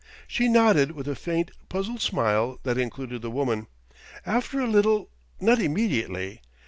She nodded, with a faint, puzzled smile that included the woman. "After a little not immediately.